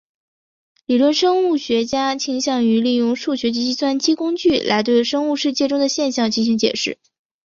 理论生物学家倾向于利用数学及计算机工具来对生物世界中的现象进行解释。